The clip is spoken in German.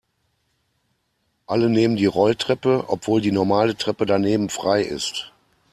Alle nehmen die Rolltreppe, obwohl die normale Treppe daneben frei ist.